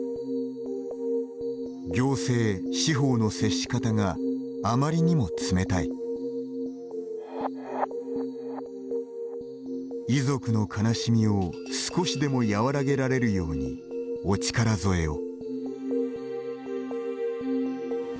「行政・司法の接し方があまりにも冷たい」「遺族の悲しみを少しでも和らげられるようにお力添えを」